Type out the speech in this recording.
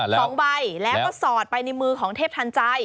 สองใบแล้วก็สอดไปในมือของเทพทันใจ